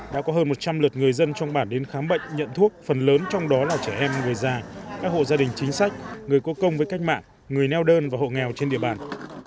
đã có hơn một trăm linh lượt người dân trong bản đến khám bệnh nhận thuốc phần lớn trong đó là trẻ em người già các hộ gia đình chính sách người có công với cách mạng người neo đơn và hộ nghèo trên địa bàn